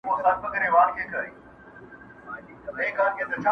• کار و بار وي د غزلو کښت و کار وي د غزلو..